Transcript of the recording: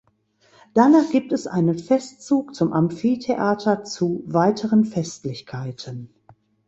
Danach gibt es einen Festzug zum Amphitheater zu weiteren Festlichkeiten.